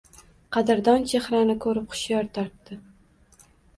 Qadrdon chehrani ko‘rib hushyor tortdi.